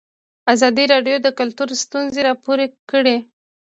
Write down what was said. ازادي راډیو د کلتور ستونزې راپور کړي.